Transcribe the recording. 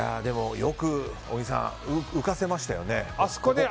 よく小木さん、浮かせましたよね。